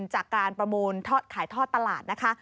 จากการประมูลขายทอดตลาดนะคะ